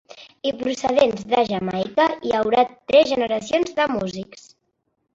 I, procedents de Jamaica, hi haurà tres generacions de músics.